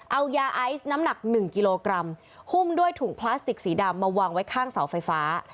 เอายาไอซ์น้ำหนัก๑กิโลกรัมหุ้มด้วยถุงพลาสติกสีดำมาวางไว้ข้างเสาไฟฟ้า